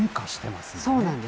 そうなんです。